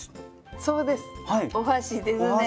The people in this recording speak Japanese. そうですお箸ですね。